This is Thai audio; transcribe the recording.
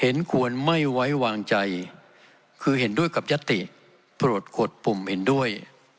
เห็นควรไม่ไว้วางใจคือเห็นด้วยกับยติโปรดกดปุ่มเห็นด้วย